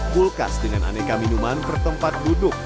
kulkas dengan aneka minuman bertempat duduk